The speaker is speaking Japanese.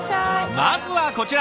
まずはこちら。